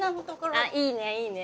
ああいいねいいね。